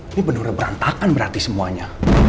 ini benar berantakan berarti semuanya